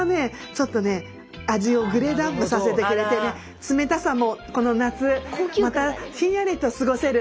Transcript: ちょっとね味をグレードアップさせてくれてね冷たさもこの夏またひんやりと過ごせる時間だよね。